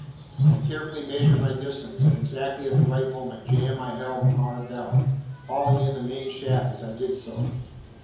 I carefully measured my distance, and exactly at the right moment jammed my helm hard down, hauling in the main sheet as I did so.